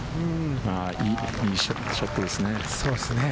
いいショットですね。